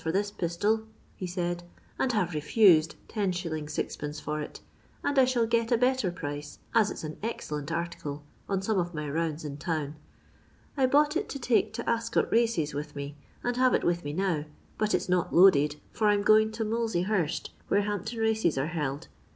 for this pistol," he said, " and have refused 10«. M, (or it, for I shall get a better price, as it 's an ex cellent article, on some of my rounds in town. I bought it to take to Ascot races with me, and have it with me now, but it 's not loaded, for I 'm going to Monlsey Hurst, where Hampton races are held.